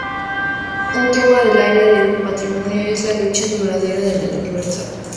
Un tema del área del patrimonio es la lucha duradera por la libertad.